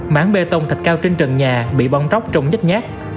máng bê tông thạch cao trên trần nhà bị bông tróc trông nhách nhát